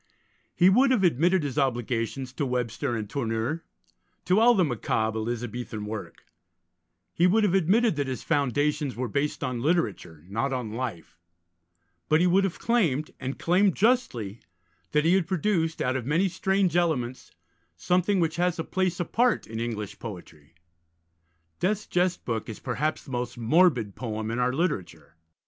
He would have admitted his obligations to Webster and Tourneur, to all the macabre Elizabethan work; he would have admitted that his foundations were based on literature, not on life; but he would have claimed, and claimed justly, that he had produced, out of many strange elements, something which has a place apart in English poetry. Death's Jest Book is perhaps the most morbid poem in our literature.